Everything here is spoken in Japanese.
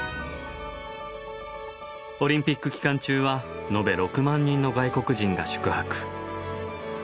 オリンピック期間中は延べ６万人の外国人が宿泊。